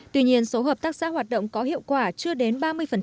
tuy nhiên số hợp tác xã hoạt động có hiệu quả chưa đến ba mươi